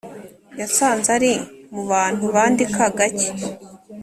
yasanze ari mu bantu bandika gake